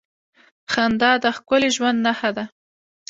• خندا د ښکلي ژوند نښه ده.